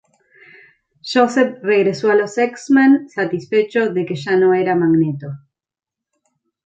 Joseph regresó a los X-Men, satisfecho de que ya no era Magneto.